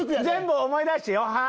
全部思い出してよ